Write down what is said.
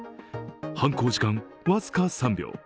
犯行時間、僅か３秒。